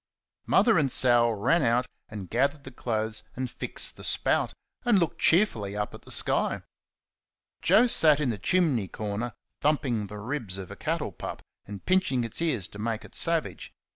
Mother and Sal ran out and gathered the clothes, and fixed the spout, and looked cheerfully up at the sky. Joe sat in the chimney corner thumping the ribs of a cattle pup, and pinching its ears to make it savage.